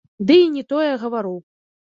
Ды і не тое гавару.